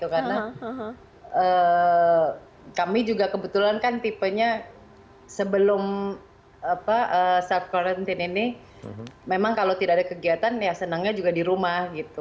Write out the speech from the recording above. karena kami juga kebetulan kan tipenya sebelum self quarantine ini memang kalau tidak ada kegiatan ya senangnya juga di rumah